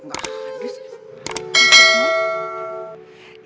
nggak ada sih